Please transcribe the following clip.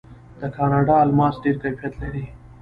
د کاناډا الماس ډیر کیفیت لري.